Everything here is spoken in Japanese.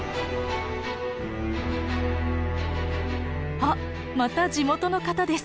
あっまた地元の方です。